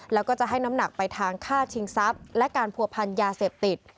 แล้วก็จะให้น้ำหนักไปทางฆ่าชิงทรัพย์และการผัวพันยาเสพติด